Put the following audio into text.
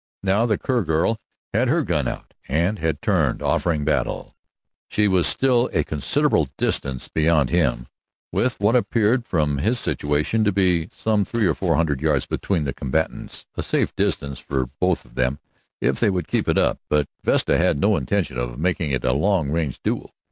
Now the Kerr girl had her gun out, and had turned, offering battle. She was still a considerable distance beyond him, with what appeared from his situation to be some three or four hundred yards between the combatants, a safe distance for both of them if they would keep it. But Vesta had no intention of making it a long range duel.